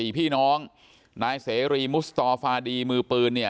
พี่น้องนายเสรีมุสตอฟาดีมือปืนเนี่ย